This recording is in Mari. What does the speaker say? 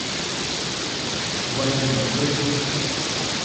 Вадим ОХОТИН